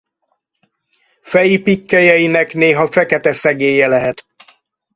Feji pikkelyeinek néha fekete szegélye lehet.